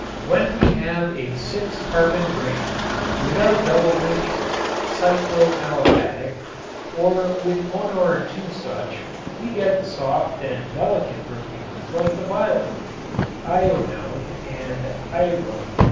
When we have a six carbon ring without double linkings (cyclo aliphatic) or with one or two such, we get soft and delicate perfumes like the violet (ionone and irone).